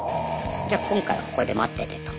じゃ今回はここで待っててと。